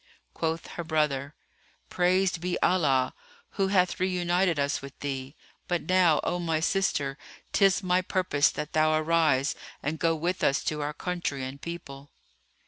Quoth her brother, "Praised be Allah, who hath reunited us with thee! But now, O my sister, 'tis my purpose that thou arise and go with us to our country and people."